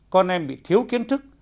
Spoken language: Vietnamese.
con em bị thiếu kiến thức